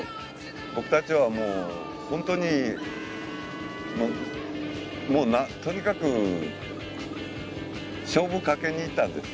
僕たちはもうホントにもうもうとにかく勝負かけに行ったんです